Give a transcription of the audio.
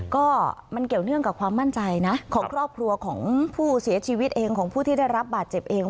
ก็มันเกี่ยวเนื่องกับความมั่นใจนะของครอบครัวของผู้เสียชีวิตเองของผู้ที่ได้รับบาดเจ็บเอง